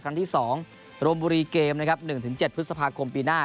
ครั้งที่๒รวมบุรีเกมนะครับ๑๗พฤษภาคมปีหน้า